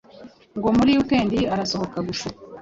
Ngo muri weekend arasohoka gusa